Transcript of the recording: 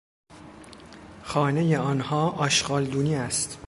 خانهی آنها آشغالدونی است.